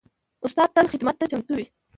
استاد تل خدمت ته چمتو وي.